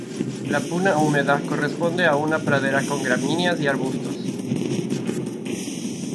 La puna húmeda corresponde a una pradera con gramíneas y arbustos.